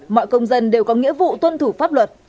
mọi công dân đều có nghĩa vụ tuân thủ pháp luật